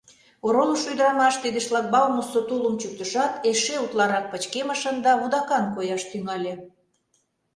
Оролышо ӱдырамаш тиде шлагбаумысо тулым чӱктышат, эше утларак пычкемышын да вудакан кояш тӱҥале.